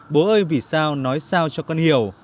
bố ơi vì sao nói sao cho con hiểu